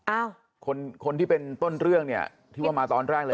อ้าวคนคนที่เป็นต้นเรื่องเนี่ยที่ว่ามาตอนแรกเลย